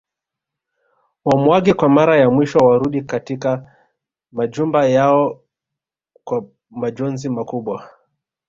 Wamuage kwa Mara ya mwisho warudi katika majumba yao kwa majonzi makubwa